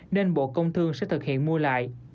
nên bộ công thương sẽ thực hiện mua lại